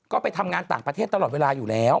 ก็ไปทำงานต่างประเทศตลอดเวลาอยู่แล้ว